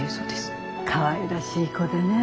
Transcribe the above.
かわいらしい子でね